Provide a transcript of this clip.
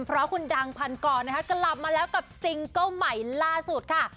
เพราะคุณดังพันกรนะคะกลับมาแล้วกับซิงเกิ้ลใหม่ล่าสุดค่ะ